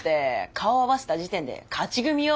顔会わせた時点で勝ち組よ。